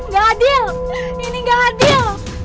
gak adil ini ninggal adil